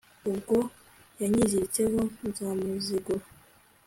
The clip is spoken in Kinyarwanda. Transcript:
ubwo yanyiziritseho nzamuzigura